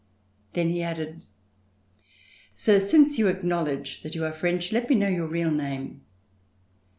Then he added: "Sir, since you acknowledge that you are French, let me know your real name."